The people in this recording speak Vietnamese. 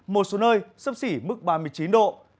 một số nơi sấp xỉ mức ba mươi chín độ